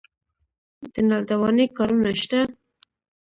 د نل دوانۍ کارونه شته